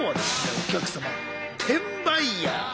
お客様転売ヤー。